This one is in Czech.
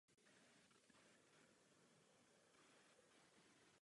Je třeba vytvořit balík.